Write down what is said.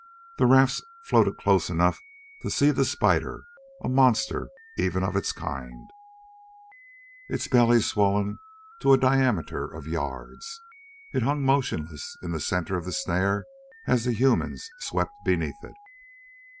The rafts floated close enough to see the spider, a monster even of its kind, its belly swollen to a diameter of yards. It hung motionless in the center of the snare as the humans swept beneath it.